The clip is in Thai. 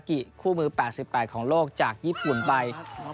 กิคู่มือ๘๘ของโลกจากญี่ปุ่นไป